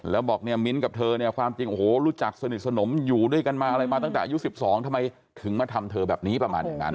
แล้วบอกเนี่ยมิ้นกับเธอเนี่ยความจริงโอ้โหรู้จักสนิทสนมอยู่ด้วยกันมาอะไรมาตั้งแต่อายุ๑๒ทำไมถึงมาทำเธอแบบนี้ประมาณอย่างนั้น